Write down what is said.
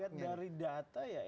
kalau dilihat dari data ya